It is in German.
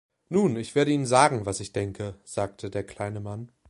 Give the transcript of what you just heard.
„Nun, ich werde Ihnen sagen, was ich denke“, sagte der kleine Mann.